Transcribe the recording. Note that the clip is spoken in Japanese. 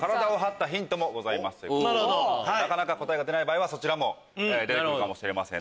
なかなか答えが出ない場合はそちらも出てくるかもしれません。